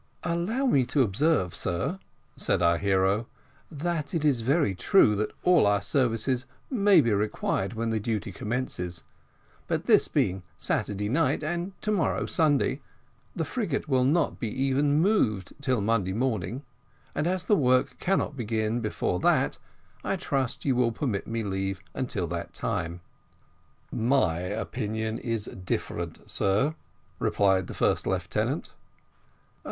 "Allow me to observe, sir," said our hero, "that it is very true that all our services may be required when the duty commences, but this being Saturday night, and to morrow Sunday, the frigate will not be even moved till Monday morning; and as the work cannot begin before that, I trust you will permit leave until that time." "My opinion is different, sir," replied the first lieutenant.